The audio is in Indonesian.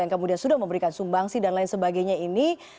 yang kemudian sudah memberikan sumbangsi dan lain sebagainya ini